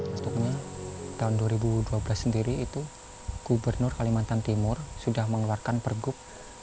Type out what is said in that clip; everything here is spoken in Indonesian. maksudnya tahun dua ribu dua belas sendiri itu gubernur kalimantan timur sudah mengeluarkan pergub